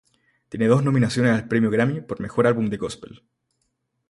Tiene dos nominaciones al premio Grammy por "Mejor Álbum de Gospel".